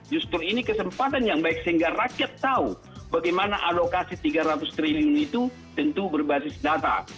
justru ini kesempatan yang baik sehingga rakyat tahu bagaimana alokasi tiga ratus triliun itu tentu berbasis data